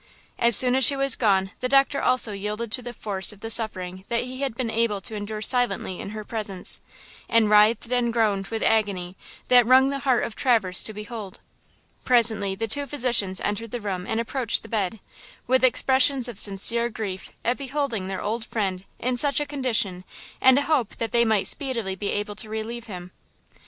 As soon as she was gone the doctor also yielded to the force of the suffering that he had been able to endure silently in her presence, and writhed and groaned with agony–that wrung the heart of Traverse to behold. Presently the two physicians entered the room and approached the bed, with expressions of sincere grief at beholding their old friend in such a condition and a hope that they might speedily be able to relieve him.